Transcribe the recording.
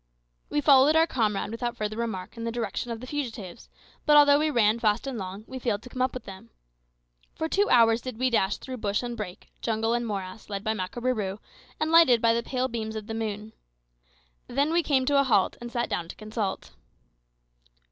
We followed our comrade, without further remark, in the direction of the fugitives; but although we ran fast and long, we failed to come up with them. For two hours did we dash through bush and brake, jungle and morass, led by Makarooroo, and lighted by the pale beams of the moon. Then we came to a halt, and sat down to consult.